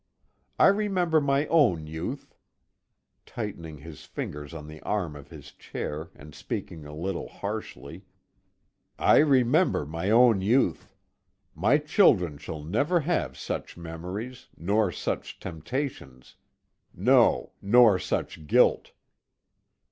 I remember my own youth," tightening his fingers on the arm of his chair and speaking a little harshly, "I remember my own youth. My children shall never have such memories nor such temptations no, nor such guilt."